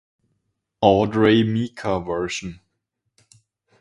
Audrey Mika version